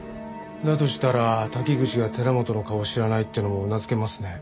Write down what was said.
だとしたら滝口が寺本の顔を知らないっていうのもうなずけますね。